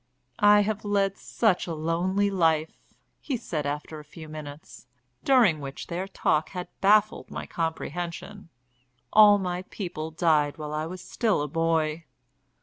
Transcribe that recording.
"I have led such a lonely life," he said after a few minutes, during which their talk had baffled my comprehension. "All my people died while I was still a boy."